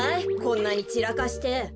こんなにちらかして。